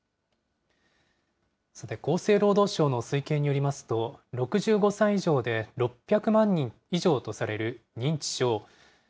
さて、厚生労働省の推計によりますと、６５歳以上で６００万人以上とされる認知症。